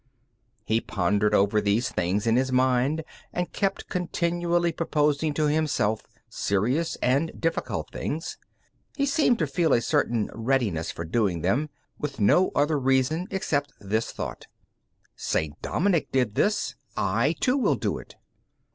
He pondered over these things in his mind, and kept continually proposing to himself serious and difficult things. He seemed to feel a certain readiness for doing them, with no other reason except this thought: "St. Dominic did this; I, too, will do it."